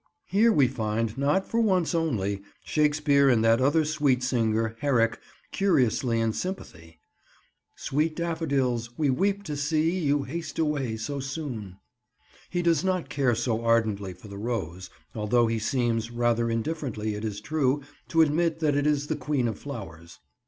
Here we find, not for once only, Shakespeare and that other sweet singer, Herrick, curiously in sympathy— "Sweet daffodils, we weep to see You haste away so soon." He does not care so ardently for the rose, although he seems, rather indifferently it is true, to admit that it is the queen of flowers.